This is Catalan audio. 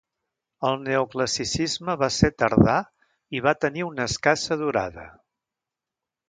El Neoclassicisme va ser tardà i va tenir una escassa durada.